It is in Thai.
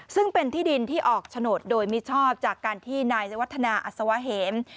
ซึ่งเป็นที่ดินที่ออกโฉนดโดยมิชอบจากการที่นายวัฒนาอัศวะเหม